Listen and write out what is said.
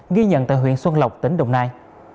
ghi nhận tại huyện xuân lộc tỉnh đồng nai